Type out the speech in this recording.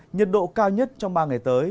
nhiệt độ cao nhất trong ba ngày tới